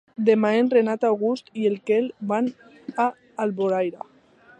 Demà en Renat August i en Quel van a Alboraia.